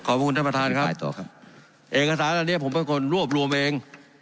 ขอบคุณท่านประธานครับเอกสารอันนี้ผมเป็นคนรวบรวมเอง